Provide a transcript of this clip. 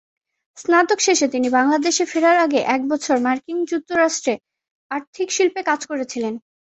স্নাতক শেষে তিনি বাংলাদেশে ফেরার আগে এক বছর মার্কিন যুক্তরাষ্ট্রে আর্থিক শিল্পে কাজ করেছিলেন।